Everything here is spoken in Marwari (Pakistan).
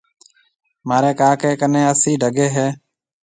مهاريَ ڪاڪيَ ڪنَي اَسِي ڊڳي هيَ۔